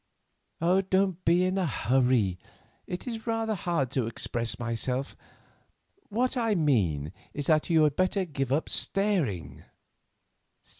"Don't be in a hurry. It is rather hard to express myself. What I mean is that you had better give up staring."